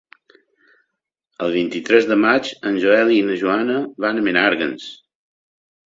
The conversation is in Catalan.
El vint-i-tres de maig en Joel i na Joana van a Menàrguens.